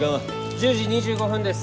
１０時２５分です。